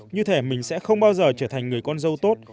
như thẻ mình sẽ không bao giờ trở thành người con dâu tốt